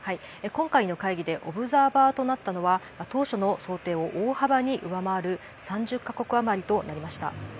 今回の会議でオブザーバーとなったのは当初の想定を大幅に上回る３０か国余りとなりました。